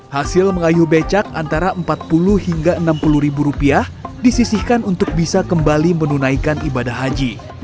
hasil mengayuh becak antara empat puluh hingga enam puluh ribu rupiah disisihkan untuk bisa kembali menunaikan ibadah haji